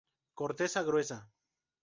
Corteza gruesa.